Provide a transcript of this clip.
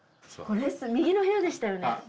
右の部屋でしたよね？